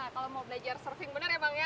kalau mau belajar surfing benar ya bang ya